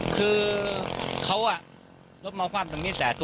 คือเค้าอะรถเมาวรรมเดินจากตรงนี้แสดอค่ะ